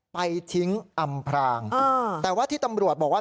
ไปทิ้งอำพรางแต่ว่าที่ตำรวจบอกว่า